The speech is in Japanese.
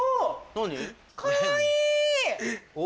何？